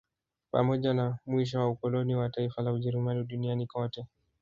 Pamoja na mwisho wa ukoloni wa taifa la Ujerumani duniani kote